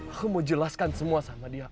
aku mau jelaskan semua sama dia